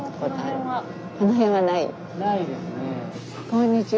こんにちは。